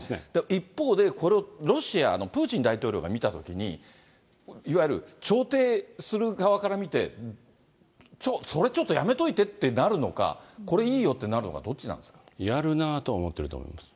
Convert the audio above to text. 一方で、これをロシアのプーチン大統領が見たときに、いわゆる調停する側から見てちょっと、それちょっとやめといてってなるのか、これ、いいよってなるのか、やるなとは思ってると思います。